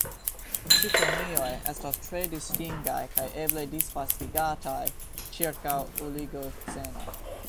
Cikonioj estas tre distingaj kaj eble disvastigataj ĉirkaŭ Oligoceno.